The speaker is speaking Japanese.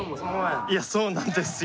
いやそうなんですよ